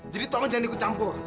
jadi tolong jangan dikucampur